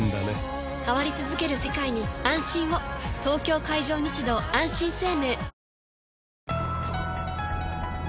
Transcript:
東京海上日動あんしん生命